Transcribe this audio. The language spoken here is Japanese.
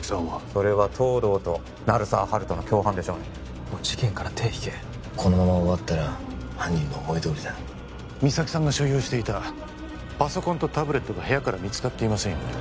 それは東堂と鳴沢温人の共犯でしょうねもう事件から手引けこのまま終わったら犯人の思いどおりだ実咲さんが所有していたパソコンとタブレットが部屋から見つかっていませんよね